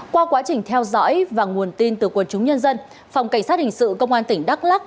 qua quá trình theo dõi và nguồn tin từ quần chúng nhân dân phòng cảnh sát hình sự công an tỉnh đắk lắc